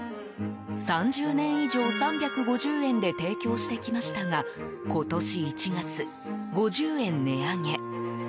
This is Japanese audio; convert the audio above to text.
３０年以上３５０円で提供してきましたが今年１月、５０円値上げ。